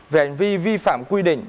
về hành vi vi phạm quy định